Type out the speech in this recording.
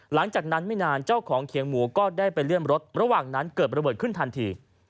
หลังจากนั้นไม่นานเจ้าของเขียงหมูก็ได้ไปเลื่อนรถระหว่างนั้นเกิดระเบิดขึ้นทันที